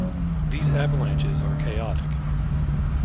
These avalanches are chaotic.